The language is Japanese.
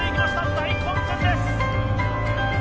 大混戦です